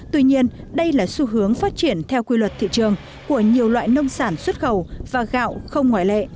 tuy nhiên đây là xu hướng phát triển theo quy luật thị trường của nhiều loại nông sản xuất khẩu và gạo không ngoại lệ